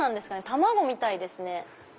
卵みたいですね。